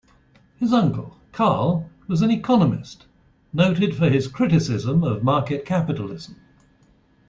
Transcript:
His uncle, Karl was an economist, noted for his criticism of market capitalism.